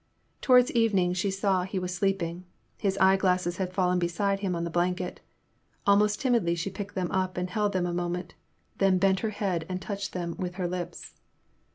Toward evening she saw he was sleeping; his eye glasses had fallen beside him on the blanket. Almost timidly she picked them up, held them a moment, then bent her head and touched them with her lips.